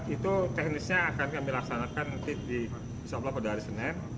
itu teknisnya akan kami laksanakan nanti di insya allah pada hari senin